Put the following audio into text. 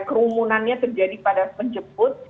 kerumunannya terjadi pada penjemput